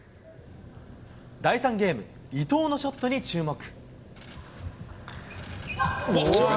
第３ゲーム、伊藤のショットに注目。